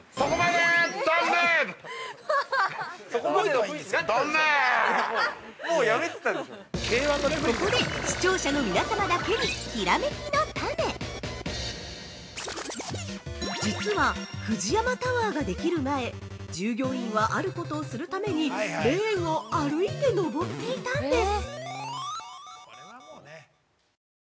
◆ここで視聴者の皆様だけにひらめきのタネ実はＦＵＪＩＹＡＭＡタワーができる前従業員はあることをするためにレーンを歩いて登っていたんです！